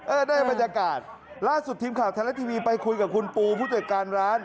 ได้บรรยากาศล่าสุดทีมข่าวไทยรัฐทีวีไปคุยกับคุณปูผู้จัดการร้าน